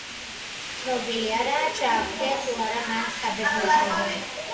ცნობილი არაა ჩააღწია თუ არა მან საბერძნეთამდე.